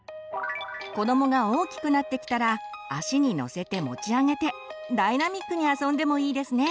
子どもが大きくなってきたら足に乗せて持ち上げてダイナミックに遊んでもいいですね。